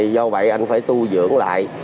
do vậy anh phải tu dưỡng lại